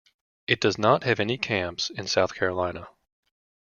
It does not have any camps in South Carolina.